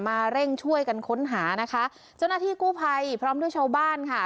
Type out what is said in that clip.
เร่งช่วยกันค้นหานะคะเจ้าหน้าที่กู้ภัยพร้อมด้วยชาวบ้านค่ะ